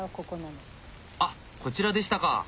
あっこちらでしたか。